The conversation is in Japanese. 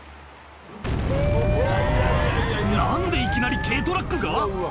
何でいきなり軽トラックが？